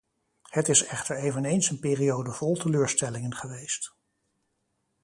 Het is echter eveneens een periode vol teleurstellingen geweest.